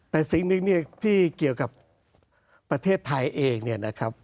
แต่สิ่งนี้ที่เกี่ยวกับประเทศไทยเองนะครับ